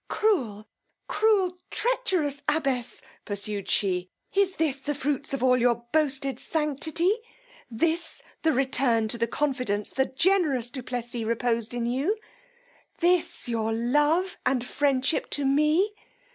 Cruel, cruel, treacherous abbess! pursued she; Is this the fruits of all your boasted sanctity! This the return to the confidence the generous du Plessis reposed in you! This your love and friendship to me!